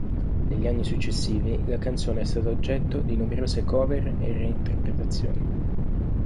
Negli anni successivi la canzone è stata oggetto di numerose cover e reinterpretazioni.